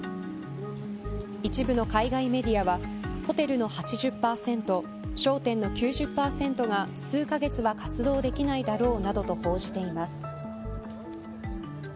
一部の海外メディアはホテルの８０％商店の９０％が数カ月は活動できないだろうなどと報じています。